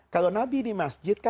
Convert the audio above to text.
kalau nabi di masjid